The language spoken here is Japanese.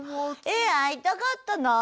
え会いたかったなあ。